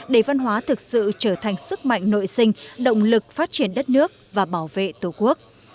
để văn hóa thực sự trở thành sức mạnh nội sinh động lực phát triển đất nước và bảo vệ tổ quốc